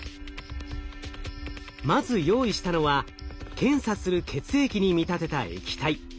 まず用意したのは検査する血液に見立てた液体。